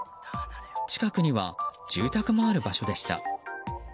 近くには住宅もある場所でした。